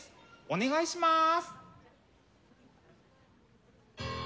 お願いします！